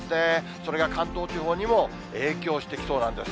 それが関東地方にも、影響してきそうなんです。